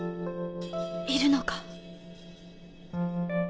いるのか？